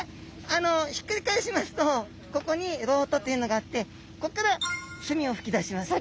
あのひっくり返しますとここに漏斗というのがあってこっからすみをふき出します。